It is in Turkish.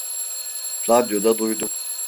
Radyoda duydum.